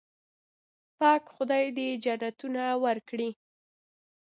پاک خدای دې جنتونه ورکړي.